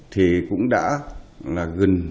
thì cũng đã là gần